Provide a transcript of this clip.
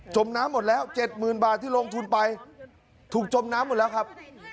มน้ำหมดแล้ว๗๐๐๐บาทที่ลงทุนไปถูกจมน้ำหมดแล้วครับ